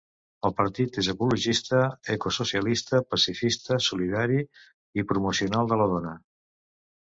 El partit és ecologista, ecosocialista, pacifista, solidari i promocional de la dona.